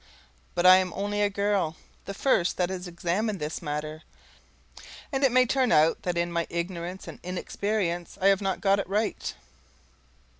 But I am only a girl, the first that has examined this matter, and it may turn out that in my ignorance and inexperience I have not got it right.